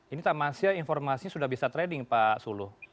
ini tamasya informasi sudah bisa trading pak sulu